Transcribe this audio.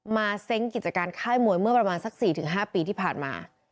เซ้งกิจการค่ายมวยเมื่อประมาณสัก๔๕ปีที่ผ่านมา